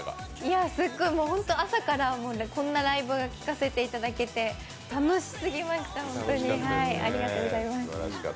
朝からこんなライブを聴かせていただけて楽しすぎました、本当にありがとうございます。